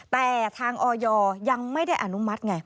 แต่ทางออยยังไม่ได้อนุมัติไง